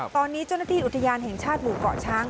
ตอนนี้เจ้าหน้าที่อุทยานแห่งชาติหมู่เกาะช้าง